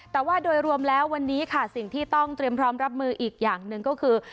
แต่ว่าโดยรวมแล้ววันนี้ค่ะสิ่งที่ต้องเตรียมพร้อมรับมืออีกอย่างหนึ่งก็คือ